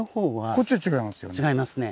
こっちは違いますよね。